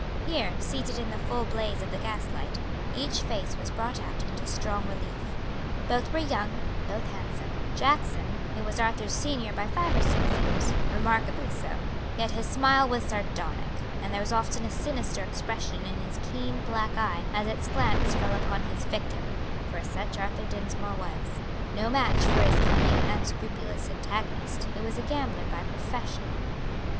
Here, seated in the full blaze of the gas light, each face was brought out into strong relief. Both were young, both handsome; Jackson, who was Arthur's senior by five or six years, remarkably so; yet his smile was sardonic, and there was often a sinister expression in his keen black eye as its glance fell upon his victim, for such Arthur Dinsmore was no match for his cunning and unscrupulous antagonist, who was a gambler by profession.